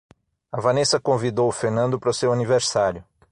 A Vanessa convidou o Fernando pro seu aniversário.